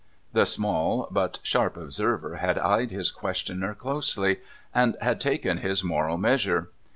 The small but sharp observer had eyed his questioner closely, and had taken his moral measure.